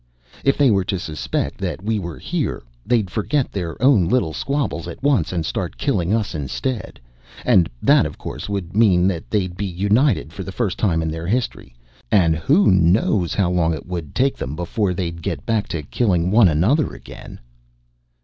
If they were to suspect that we were here, they'd forget their own little squabbles at once and start killing us instead. And that, of course, would mean that they'd be united, for the first time in their history, and who knows how long it would take them before they'd get back to killing one another again."